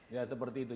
ya seperti itu